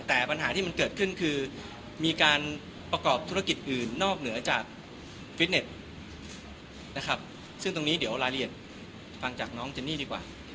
แต่ปัญหาที่มันเกิดขึ้นคือมีการประกอบธุรกิจอื่นนอกเหนือจากฟิตเน็ตนะครับซึ่งตรงนี้เดี๋ยวรายละเอียดฟังจากน้องเจนนี่ดีกว่า